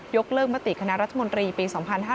กเลิกมติคณะรัฐมนตรีปี๒๕๕๙